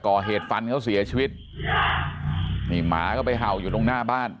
ก่อเหตุฟันเขาเสียชีวิตนี่หมาก็ไปเห่าอยู่ตรงหน้าบ้าน